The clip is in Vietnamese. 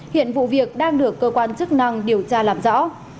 hiện vụ việc đang được cơ quan chức năng điều tra làm rõ